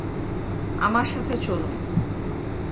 আমার সাথে চলুন।